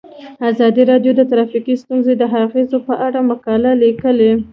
ازادي راډیو د ټرافیکي ستونزې د اغیزو په اړه مقالو لیکلي.